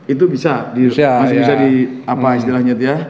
itu bisa di masih bisa di apa istilahnya dia